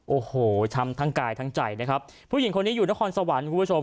โอ้โหช้ำทั้งกายทั้งใจนะครับผู้หญิงคนนี้อยู่นครสวรรค์คุณผู้ชม